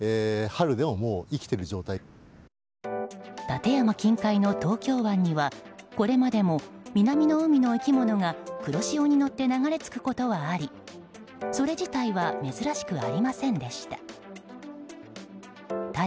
館山近海の東京湾にはこれまでも南の海の生き物が黒潮に乗って流れ着くことはありそれ自体は珍しくありませんでした。